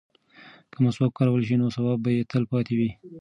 که مسواک وکارول شي نو ثواب به یې تل پاتې وي.